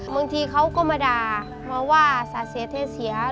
บางทีเขาก็มาด่ามาว่าสาเสียเทเสีย